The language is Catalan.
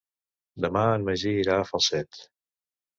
Demà en Magí irà a Falset.